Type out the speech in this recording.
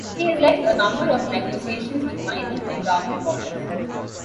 He has led a number of negotiations with mining and government bodies.